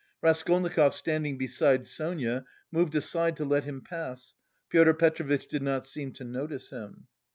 Raskolnikov, standing beside Sonia, moved aside to let him pass; Pyotr Petrovitch did not seem to notice him.